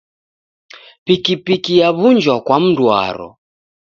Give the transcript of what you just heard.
Pikipiki yaw'unjwa kwa mndu waro.